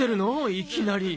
いきなり。